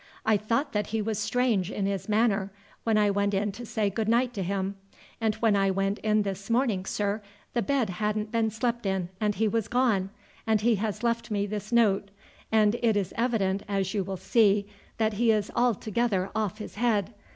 I thought that he was strange in his manner when I went in to say good night to him; and when I went in this morning, sir, the bed hadn't been slept in and he was gone, and he has left me this note, and it is evident, as you will see, that he is altogether off his head.